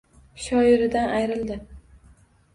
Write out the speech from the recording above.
Shoiridan ayrildi.